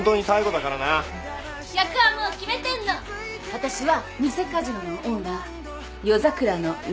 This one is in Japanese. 私は偽カジノのオーナー夜桜の麗。